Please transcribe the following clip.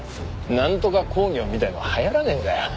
「なんとか興業」みたいなのは流行らねえんだよ。